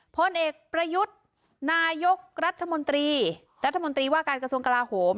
พลเอกประยุทธ์นายกรัฐมนตรีรัฐมนตรีว่าการกระทรวงกลาโหม